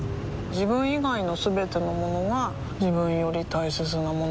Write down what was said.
自分以外のすべてのものが自分より大切なものだと思いたい